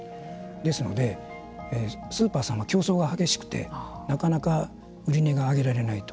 ですので、スーパーさんは競争が激しくてなかなか売り値が上げられないと。